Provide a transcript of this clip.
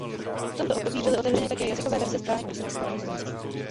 V tomto období byly otevřeny také jazykové verze stránek pro Srbsko a Nizozemsko.